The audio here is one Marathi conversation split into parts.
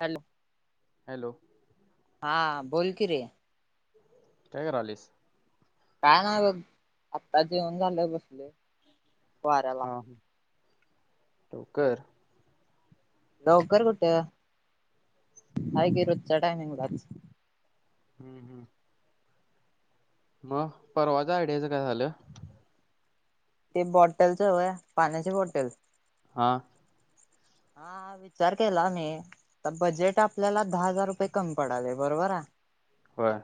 हॅलो हॅलो हा बोल की रे काय करालयीस काय नाही बघ आत्ता जेवण झालं बसलोय वाऱ्याला हा हा. लवकर लवकर कुठ आह ते रोजच्या टायमिंगलाच हम्म हम्म मग परवाच् आयडियाच काय झालं ते बॉटलच होय पाण्याची बॉटल हा हा विचार केला मी तर बजेट आपल्याला दहा हजार रुपये कमी पडालय बरोबर हा? होय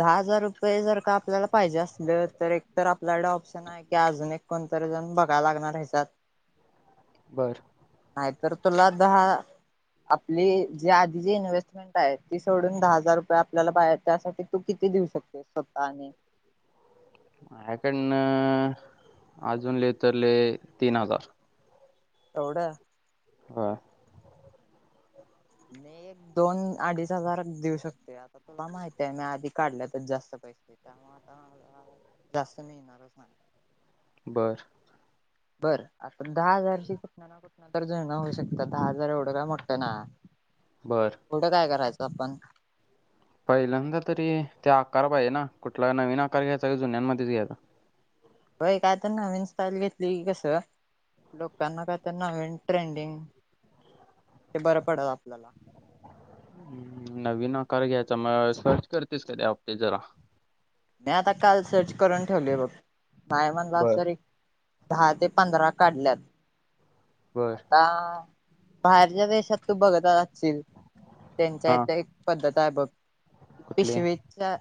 दहा हजार रुपये जर का आपल्याला पाहिजे असलं तर एक तर आपल्याकडे ऑप्शन आहे कि अजून एक कोणतरी जण बघाय लागणार हेच्यात बरं नाही तर तुला दहा आपली जी आधी जी इन्व्हेस्टमेंट आहे ती सोडून दहा हजार रुपये आपल्याला बाहेरच्या साठी तू किती देऊ शकतोस स्वतःआणि? माया कडन आजून लई तर लई तीन हजार. एवढ होय मी एक दोन अडीच हजार देऊ शकतोय आता तुला माहिती आहे मी आधी काढल्यात जास्त पैसे त्यामुळे आता मला जास्त मिळणारच नाही. बर बरं आता दहा हजारची कुठंना कुठनं तर जुळणा होऊ शकतात दहा हजार एवढं का मोठं नाय हाय. बर. पुढं काय करायचं? आपण पहिल्यांदा तरी ते आकार पाहेना कुठला नवीन आकार घ्यायचा काय जुन्यांमध्येच घ्यायचा? व्हय काय तर नवीन स्टाईल घेतली कसं लोकांना काय तर नवीन ट्रेंडिंग ते बरं पडल आपल्याला हम् नवीन आकार घ्यायचा म सर्च करतेस काय ते ऑफिस जरा? मी आता काल सर्च करून ठेवलोय बघ. पाय म्हणलास बर रे दहा ते पंधरा काढल्यात बर. आता बाहेरच्या देशात तू बघत आचील त्यांच्या हा त्या एक पद्धत ताय बघ कुठले पिशवीच्या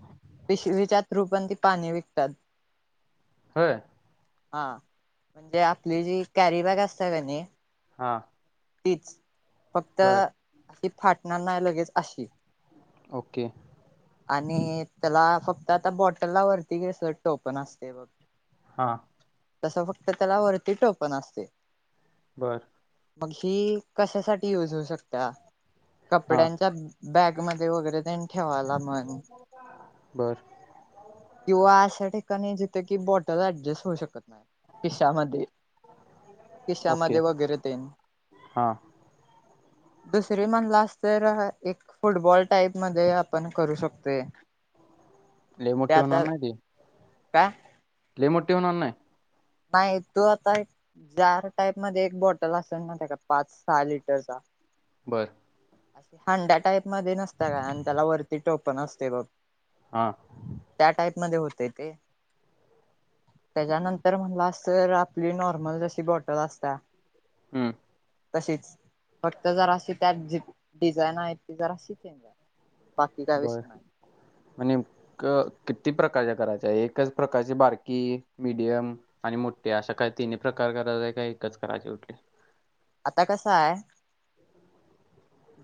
पिशवीच्या रूपांत पाणी विकतात. व्हय हा म्हणजे आपली जी कॅरी बॅग असते कणी हा तिचं फक्त बर ती फाटणार नाही लगेच आशी ओके आणि त्याला फक्त आता बॉटल ला वरती घ्यायस टोपण असतय बघ हा तसं फक्त त्याला वरती टोपण असतय. बर. मग ही कशासाठी युज होऊ शकत्या? हा कपड्यांच्या बॅग मदे वगैरे तेन ठेवायला म्हण बर किंव्हा आश्या ठिकाणी जे तय की बॉटल ऍडजेस्ट होऊ शकत नाही खिशामध्ये ओके खिशामध्ये वगैरे तेन हा. दुसरी म्हटंलास तर एक फुटबॉल टाईप मध्ये आपण करू शकतोय. लय मोठे होणार नाही ते. का? लय मोठी होणार नाही. नाही तो आता एक जार टाईप मध्ये एक बॉटल असेल ना त्या पाच सहा लिटरचा बरं अस हांडा टाइप मध्ये नसता का आणि त्याला वरती टोप पण असते बा हा त्या टाइप मध्ये होतेय ते. त्याच्यानंतर. म्हणलास तर आपली नॉर्मल जशी बॉटल असत्या. हम्म. तशीच फक्त जर अशी त्यात ज डिझाईन आहेत ती जर अशी चेंज आहे. बाकी काय बर विषय नाही आणि क किती प्रकारच्या करायचे एकच प्रकारची बारकी मिडियम आणि मोठे अशा काही तिन्ही प्रकार करायचे आहे का एकच करायचंय कुठली आता कसं हाय.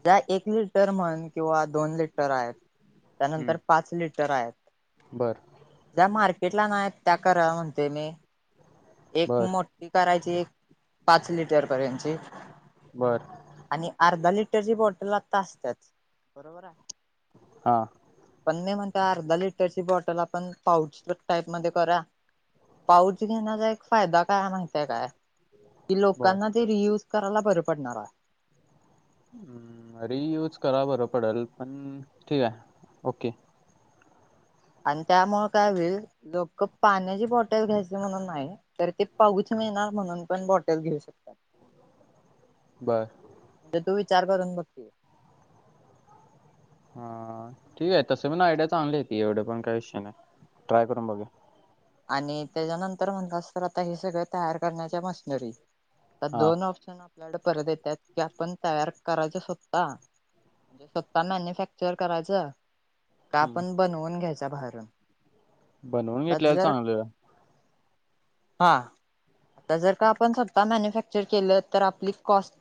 ज्या एक लिटर म्हण किंवा दोन लिटर आहेत त्यानंतर हम्म पाच लिटर आहेत बर ज्या मार्के कटला ना त्या कराव म्हणतोय मी एक बर मोठी करायची ती एक पाच लिटर पर्यंतची बर आणि अर्धा लिट रची बॉटल लाता असतात बरोबर आहे हा पण नाही म्हणत अर्धा लिटरची बॉटल आपण पाऊच टाईप मध्ये करा पाऊच घेण्याचा एक फायदा काय माहिित आहे काय कि बर लोकां ते रियूज करायला बर पडणारा आहे हम् रियूज करा बरं पडेल पण ठीक आहे ओके आणि त्यामुळे काय होईल लोक पाण्याची बॉटल घ्यायचे म्हणून नाही तर ते पाऊच मिळणार म्हणून पण बॉटल घेऊ शकतात बर म्हणजे तू विचार करून बघते हम ठीक आहे तसे पण आयडिया चांगली ती एवढे पण काही विषय नाही ट्राय करून बघे आणि त्याच्यानंतर म्हणलास तर आता हे सगळं तयार करण्याच्या मशनरी आहे त्यात हां दोन ऑप्शन ब्लड परत येतात की आपण तयार करायच स्वत मॅन्युफॅक्चर करायचं का हम्म. आपण बनवून घ्यायचं त्याभर बनवून घेतल्याला चांगलं हा आता जर का आपण स्वतः मॅन्युफॅक्चर केलं तर आपली कॉस्ट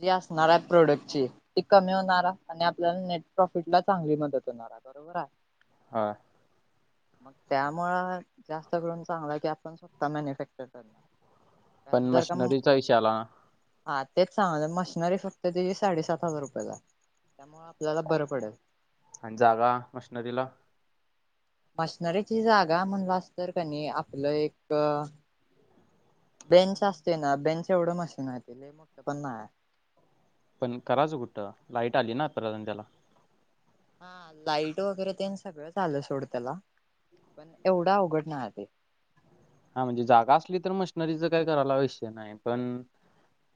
जी असणार आहे प्रोडक्टची ती कमी होणार आणि आपल्याला नेट प्रॉफिट ला चांगली मदत होणार आहे बरोबर आहे हा मग त्यामुळं जास्त करून चांगला की आपण स्वत मॅन्युफॅक्चर करण पण मशनरीचा विषय आला ना हा तेच सांग मशिनरी फक्त त साडेसात हजार रुपयाला त्यामुळे आपल्याला बरं पडेल आणि जागा मशनरीला मशनरीची जागा म्हणला अस तर काणी आपलं एक बेंच असते ना बेंच एवढं मशीनरतील मुगत पण नाही पण कराचं कुठं लाईट आली ना प्रधान त्याला हा लाईट वगैरे ते सगळंच आलं सोड त्याला पण एवढा अवघड नाही ते हा म्हणजे जागा असली तर मशनरीचं काही करायला आवश्य नाही पण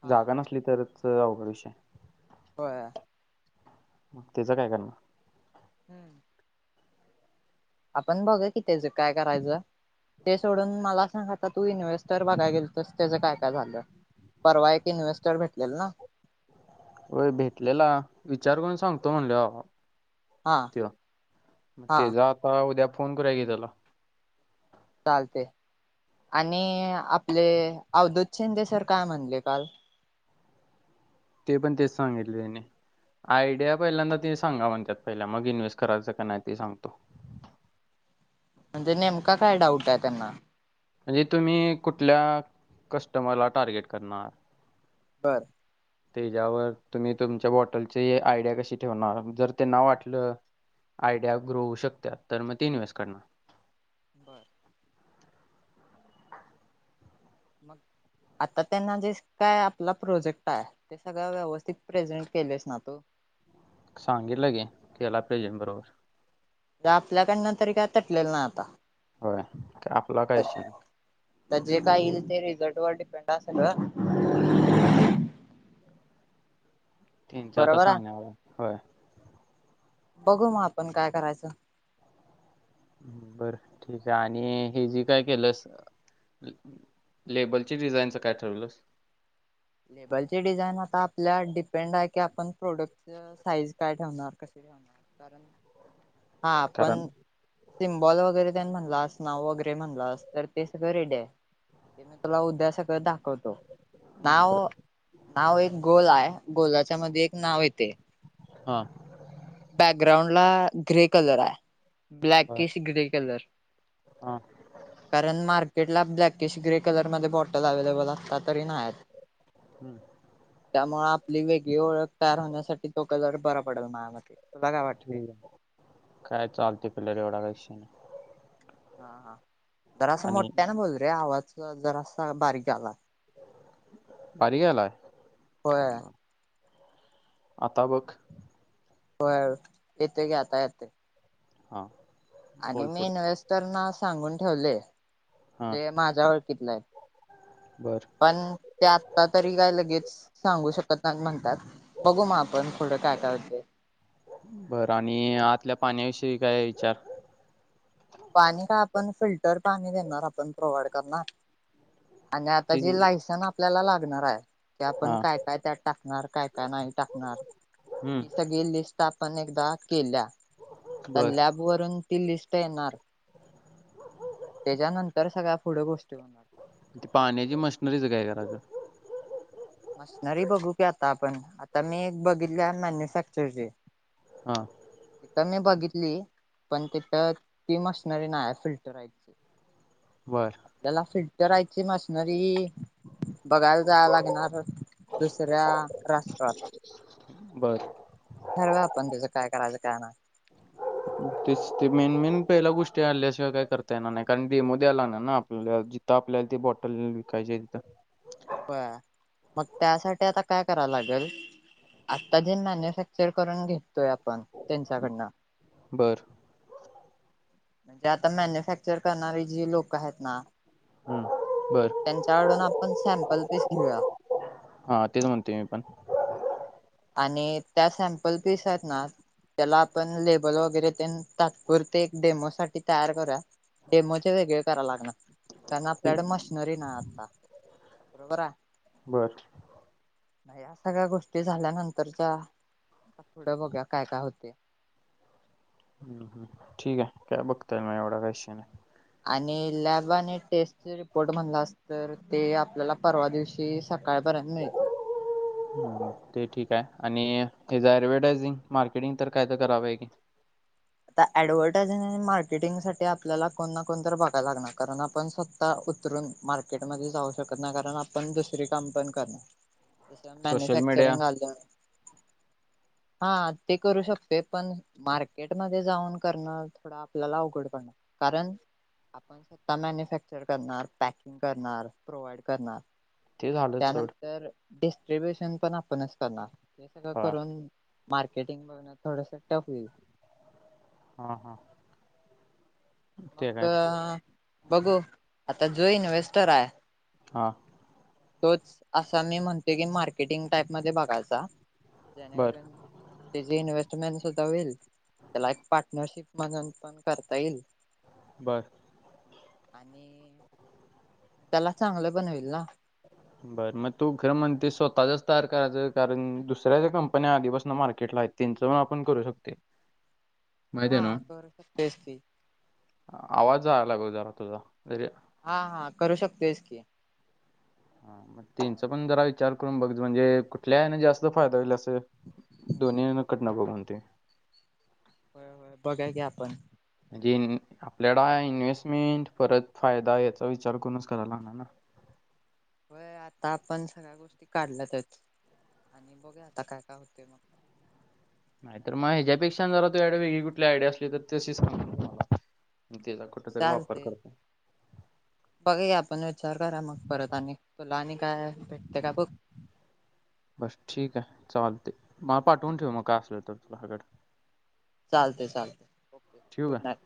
हा जागा नसली तरच लय अवघड विषय हो त्याचं काय करणार हम्म आपण बघ कि त्याच काय करायचं ते सोडून मला सांगा आता तू इन्व्हेस्टर बघाय गेल तरस त्याच काय काय झालं परवा एक इन्व्हेस्टर भेटलेल ना होय भेटलेला विचार करून सांगतो म्हणल हा ते मग हा ते जा आता उद्या फोन कराय घे त्याला चालते आणि आपले अवदत शिंदे सर काय म्हणले काल ते पण तेच सांगितले त्यांने आयडिया पहिल्यांदा ते सांगा म्हणतत पहिल्या मग इन्व्हेस्ट करायचं का नाही ते सांगतो म्हणजे नेमका काय डाऊट आहे त्यांना म्हणजे तुम्ही कुठल्या कस्टमरला टार्गेट करणार बर त्याच्यावर तुम्ही तुमच्या बॉटलचे आयडिया कशी ठेवणार जर त्यांना वाटलं आयडिया ग्रो होऊ शकत तर मग ते इन्व्हेस्ट करणार बर आता त्यांना जे काय आपला प्रोजेक्ट आहे ते सगळं व्यवस्थित प्रेझेंट केलेस ना तो सांगितलं गे कला प्रेजन बरोबर आपल्याकडनं तरी काय तटलेलं ना आता होय आपला काय विषय नाही जे काय येईल ते रिझल्ट वर डिपेंड जासंग हम्म तीन चार तास बरोबर आहे होय बघू मग आपण काय करायचं बरं ठीक आहे आणि हे जे काय केलंस लेबलची डिझाईनच काय ठरवलंस लेबलची डिझाईन आता आपल्या डिपेंड आहे की आपण प्रोडक्ट साईज काय ठेवणार कशी ठेवणार कारण हा कारण पण सिम्बॉल वगैरे त्यांनी म्हणला अस नाव वगैरे म्हणलं अस तर ते सगळं रेडी आहे ते मी तुला उद्या सगळं दाखवतो नाव बर नाव एक गोल आहे गोलाच त्यामध्ये एक नाव येतंय हां बॅगग्राउंड आपला ग्रे कलर आहे बर ब्लॅकिश ग्रे कलर हां कारण मार कला ब्लॅकिश ग्रे कलरमध्येध्ये बॉटल अवलेबल असात तरी नाही हम्म त्यामुळे आपली वेगळी ओळख तयार होण्यासाठी तोक जर बर पडेल माझ्या मते तुला काय ठी वाटते? काय चालते त्याला काय एवढा काही विषय हा हा जरा असं आणि मोठ्यान बोल रे आवाज जरासा बारीक आला पारी घेलाय हो आता बघ होय येते घे आता हा आणि मेन वस्टर [inaudible] ना सांगून ठेवले हां जे माझ्या ओळखीतलं आहे बर पण ते आता तरी काय लगेच सांगू शकत नाही म्हणतात बघू मग आपण पूढं काय काय होते पाण्या विषयी काय विचार पाणी काय आपण फिल्टर पाणी देणार आपण प्रोवाइड करणार. आणि आता ती ज लायसन आपल्याला लागणार आहे की आपण हां काय काय त्यात टाक णार काय. का नाही टाकणार हम्म, ती सगळी लिस्ट पण एकदा केल्या तर बर लॅब वरून ती लिस्ट येणार. त्याच्यानंतर सगळ पुढ गोष्ट त पाण्याची मशनरीच काय करायचं. मशनरी बघू की आता आपण आता मी बघितले मॅन्युफॅक्चरचे हा तर मी बघितली पण तिथ ती मशनरी नाही फिल्टरची. बर आपल्याला फिल इतरायची मशनरी बघायला जायला लागणार. दुसऱ्या राष्ट्रात बर ठरवूया आपण त्याचं काय करायचं काय नाही. तेच ते मेन मेन पहिल्या गोष्टी आल्याशिवाय काही करता येणार नाही कारण डेमो द्यायलाणार ना आपल्या जिथं आपल्याला ती बॉटल नेऊन विकायची तिथं. बरं मग त्यासाठी आता काय कराव लागेल आता जे मॅन्युफॅक्चर करुन घे. तोय आपण त्यांच्याकडन बर म्हणजे आता मॅन्युफॅक्चर करणारी जी लोक आहेत ना. हम्म बर त्यांच्या आडून आपण स पल्पीस [inaudible] घेऊया हा तेच म्हणतो मी पण आणि त्या सॅम्पल पिस आहेत ना त्याला आपण लेबल वगैरे ते तात्पुरते डेमो साठी तयार करूया डेमोचे वेगळे कराय लागणार. कारण ते- आपल्याकडं मशिनरी नाही आता, बरं बर नाही या सगळ्या गोष्टीत झाल्यानंतरच्या पुढं बघू काय काय होतय. ठीक आहे काय बघताय म एवढा विषय नाय आणि लॅब आणि टेस्ट रिपोर्ट म्हणला अस तर ते आपल्याला परवा दिवशी सकाळपर्यंत मिळतील. ते ठीक आहे आणि हचा अऍडव्हटायजिंग मार्केटिंग तर काय तर करावं आहे की. आता ऍडव्हर्टायझिंग आणि मार्केटिंग साठी आपल्याला कोण ना कोणत बघाला लागणार कारण आपण स्वतः उतरून मार्केटमध्ये जाऊ शकत नाही कारण आपण दुसरी काम पण करणार ज सोशल मीडिया मॅन्युफॅक्चरिंगला आले. हा ते करू शकतोय. पण मार्केट जाऊन कर थोड आपल्याला अवघड पडणार कारण आपण स्वतः मॅन्युफॅक्चर करणार पॅकिंग करणार प्रोवइड करणार ते झालंच सोड त्यानंतर डेव्हिएशन पण आपणच करणार. ते सगळं हा करून मार्केटिंग बघण थोडंसं टफ होईल हा हा ते मग काय बघू, आता जो इन्वेस्टर आहे हा तोच असा मी म्हणते की मार्केटिंग टाईप मध्ये बघायचा. बर जेणेकरून त्याची इन्वेस्ट मेंटसुद्धा होईल, त्याला एक पार्टनरशिप म्हणून पण करता येईल बर आणि त्याला चांगलं बनवेल ना बरं मग तू खरं म्हणते स्वतःचाच तयार करायचं कारण दुसऱ्या ज्या कंपन्या आधीपासून मार्केटला आहे त्यांचं पण आपण करू शकतोय. हा करू शकतो, तेच की आवाज जायला लागला जरा तुझा, तरी हा हा करू शकतो हेच की हा मग त्यांचा पण जरा विचार करून बघ म्हणजे कुठल्या ह्याने जास्त फायदा होईल असं दोन्ही कडना बघून ते होय होय, बघाय की आपण म्हणजे आपल्याला इन्व्हेस्टमेंट परत फायदा याचा विचार करूनच कराय लागणार ना होय आता आपण सगळ्या गोष्टी काढल्यातच आणि बघू आता काय काय होतय. नाही तर मग ह्याच्यापेक्षा जरा तू वेगळी कुठली आयडिया असली तर तशीच सांग. त्याचा कुठ तरी वापर करतो. बघूया आपण विचार करा मग परत आणि तुला आणि काय भेटते का बघ बस ठीक आहे चालते मला पाठवून ठेव मग काय असलं तर तुला हकड चालते चालते. Okay good night.